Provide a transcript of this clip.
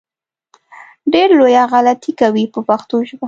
ډېره لویه غلطي کوي په پښتو ژبه.